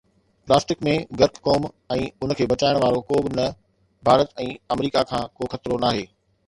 Plastic ۾ غرق قوم ۽ ان کي بچائڻ وارو ڪو به نه، ڀارت ۽ آمريڪا کان ڪو خطرو ناهي.